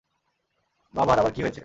বাবার আবার কি হয়েছে?